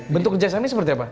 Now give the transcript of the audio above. bentuk kejahatan ini seperti apa